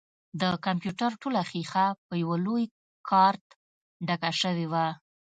د کمپيوټر ټوله ښيښه په يوه لوى کارت ډکه سوې وه.